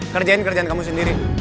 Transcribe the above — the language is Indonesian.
kerjain kerjaan kamu sendiri